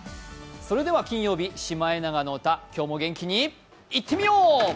それでは金曜日、「シマエナガの歌」、今日も元気にいってみよう！